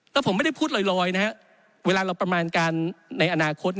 แล้วผมไม่ได้พูดลอยเวลาเราประมาณการในอนาคต